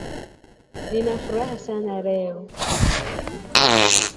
Nina furaha sana leo